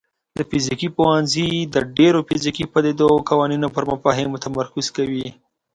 د فزیک پوهنځی د ډیرو فزیکي پدیدو او قوانینو پر مفاهیمو تمرکز کوي.